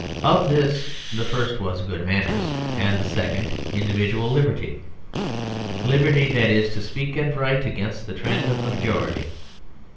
Of these the first was good manners and the second individual liberty liberty, that is, to speak and write against the trend of the majority.